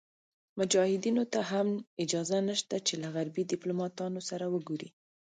مجاهدینو ته هم اجازه نشته چې له غربي دیپلوماتانو سره وګوري.